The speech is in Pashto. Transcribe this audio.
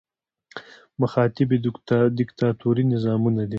مخاطب یې دیکتاتوري نظامونه دي.